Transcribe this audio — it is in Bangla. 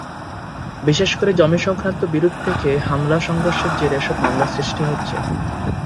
বিশেষ করে জমিসংক্রান্ত বিরোধ থেকে হামলা-সংঘর্ষের জেরে এসব মামলার সৃষ্টি হচ্ছে।